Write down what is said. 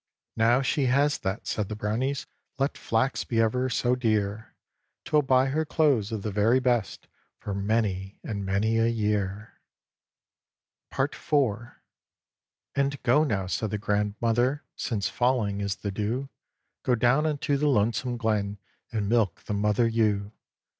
"Now she has that," said the Brownies, "Let flax be ever so dear, 'Twill buy her clothes of the very best, For many and many a year." PART IV "And go now," said the grandmother, "Since falling is the dew Go down unto the lonesome glen, And milk the mother ewe."